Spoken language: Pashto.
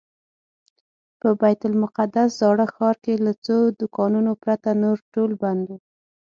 په بیت المقدس زاړه ښار کې له څو دوکانونو پرته نور ټول بند و.